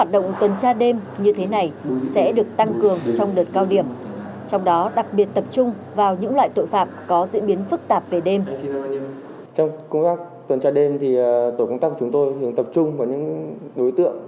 đợt cao điểm tấn công chấn áp tội phạm bảo đảm an ninh trật tự